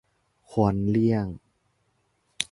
ควรเลี่ยง